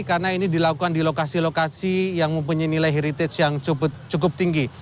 karena ini dilakukan di lokasi lokasi yang mempunyai nilai heritage yang cukup tinggi